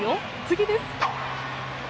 次です。